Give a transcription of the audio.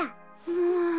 もう。